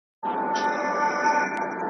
یو غرڅه وو په ځان غټ په قامت ښکلی .